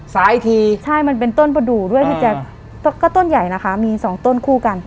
ซ้ายอีกทีใช่มันเป็นต้นประดูกด้วยพี่แจ๊คก็ต้นใหญ่นะคะมีสองต้นคู่กัน